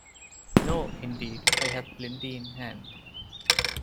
No, indeed, I have plenty in hand.